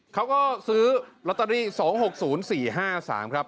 เขาก็ซื้อลอตเตอรี่๒๖๐๔๕๓ครับ